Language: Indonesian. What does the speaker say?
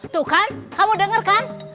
tuh kan kamu denger kan